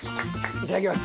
いただきます。